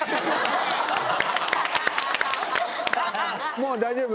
もう大丈夫？